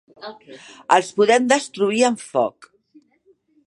Els podem destruir amb foc.